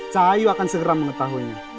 ca ayu akan segera mengetahuinya